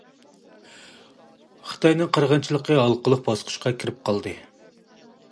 خىتاينىڭ قىرغىنچىلىقى ھالقىلىق باسقۇچقا كىردى.